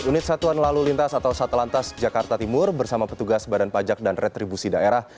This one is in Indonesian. unit satuan lalu lintas atau satlantas jakarta timur bersama petugas badan pajak dan retribusi daerah